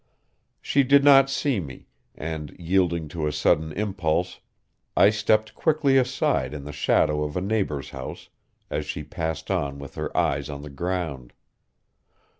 She did not see me, and, yielding to a sudden impulse, I stepped quickly aside in the shadow of a neighbor's house, as she passed on with her eyes on the ground.